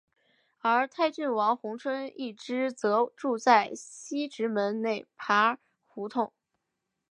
而泰郡王弘春一支则住在西直门内扒儿胡同。